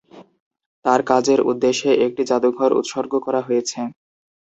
তার কাজের উদ্দেশ্যে একটি জাদুঘর উৎসর্গ করা হয়েছে।